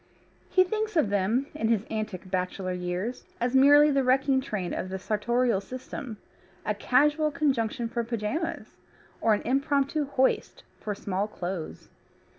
He thinks of them, in his antic bachelor years, as merely the wrecking train of the sartorial system, a casual conjunction for pyjamas, or an impromptu hoist for small clothes.